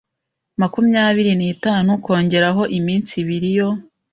makumyabiri n itanu kongeraho iminsi ibiri yo